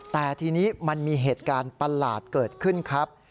แต่ทีนี้มันมีเหตุการณ์ประหลาดเกิดขึ้นครับ